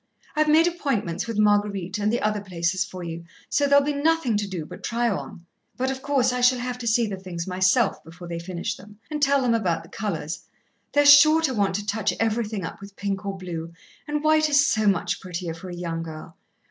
I've made appointments with Marguerite and the other places for you, so there'll be nothin' to do but try on, but, of course, I shall have to see the things myself before they finish them, and tell them about the colours; they're sure to want to touch everything up with pink or blue, and white is so much prettier for a young girl.